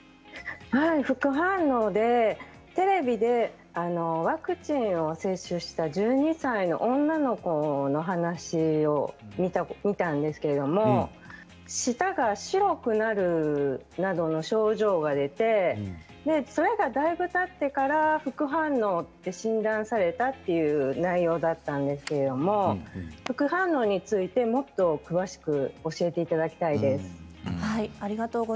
副反応でテレビでワクチンを接種した１２歳の女の子の話を見たんですけども舌が白くなるなどの症状が出てそれがだいぶたってから副反応って診断されたという内容だったんですけれども副反応について、もっと詳しく教えていただきたいです。